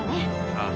ああ？